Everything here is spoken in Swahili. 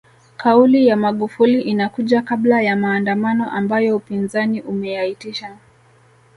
Kauli ya Magufuli inakuja kabla ya maandamano ambayo upinzani umeyaitisha